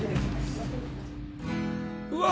うわ！